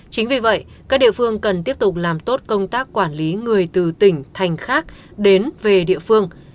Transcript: chính vì vậy các địa phương cần tiếp tục làm tốt công tác quản lý người từ tỉnh thành khác đến về địa phương